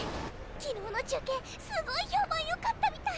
昨日の中継すごい評判良かったみたい！